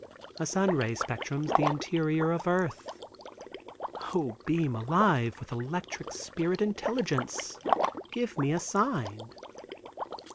A sun ray spectrums the interior of earth. O, beam alive with electric, spirit intelligence, give me a sign.